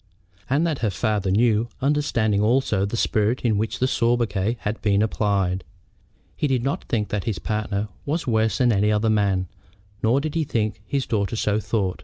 And that her father knew, understanding also the spirit in which the sobriquet had been applied. He did not think that his partner was worse than another man, nor did he think that his daughter so thought.